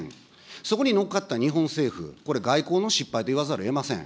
そこに乗っかった日本政府、これ、外交の失敗といわざるをえません。